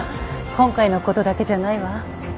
今回のことだけじゃないわ。